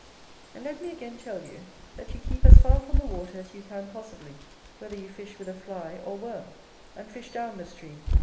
And let me again tell you, that you keep as far from the water as you can possibly, whether you fish with a fly or worm; and fish down the stream.